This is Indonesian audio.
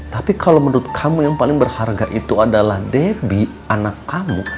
tapi kalau menurut kamu yang paling berharga itu adalah debbie anak kamu